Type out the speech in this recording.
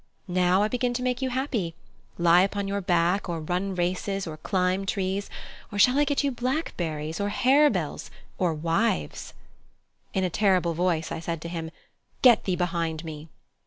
Now I begin to make you happy: lie upon your back or run races, or climb trees, or shall I get you blackberries, or harebells, or wives " In a terrible voice I said to him, "Get thee behind me!"